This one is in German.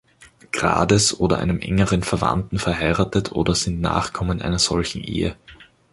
Grades oder einem engeren Verwandten verheiratet oder sind Nachkommen einer solchen Ehe.